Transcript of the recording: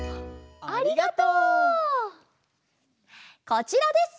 こちらです！